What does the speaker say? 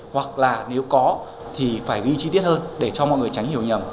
hoặc là nếu có thì phải ghi chi tiết hơn để cho mọi người tránh hiểu nhầm